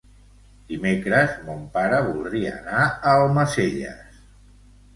Dimecres mon pare voldria anar a Almacelles.